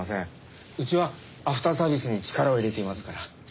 うちはアフターサービスに力を入れていますから。